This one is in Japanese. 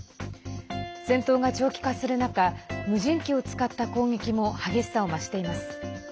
戦闘が長期化する中無人機を使った攻撃も激しさを増しています。